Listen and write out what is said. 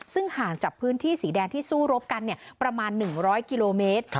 ซึ่งห่างจากพื้นที่สีแดงที่สู้รบกันประมาณ๑๐๐กิโลเมตร